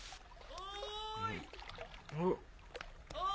おい！